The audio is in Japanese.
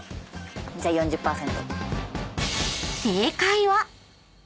じゃあ４０％。